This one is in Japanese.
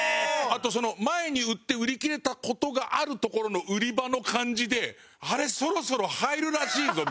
あと前に売って売り切れた事がある所の売り場の感じで「あれ？そろそろ入るらしいぞ！」